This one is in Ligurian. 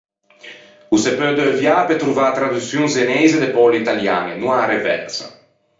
O se peu deuviâ pe trovâ a traduçion zeneise de poule italiañe, no a-a reversa.